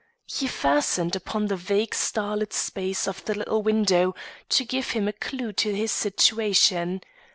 He fastened upon the vague starlit space of the little window to give him a clew to his situation.